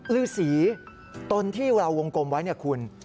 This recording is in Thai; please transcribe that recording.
รือสีตนที่เราวงกลมไว้คุณ